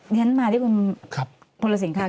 อย่างนั้นมาที่คุณหลสิงค่ะ